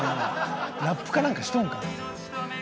ラップかなんかしとんか？